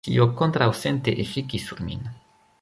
Tio kontraŭsente efikis sur min.